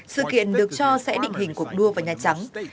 sự kiện được cho sẽ định hình cuộc đua vào nhà trắng